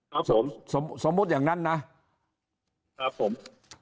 ครับผมสมมุติอย่างนั้นนะครับผม